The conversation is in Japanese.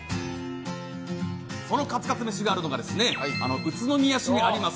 そのカツカツ飯があるのが宇都宮市にあります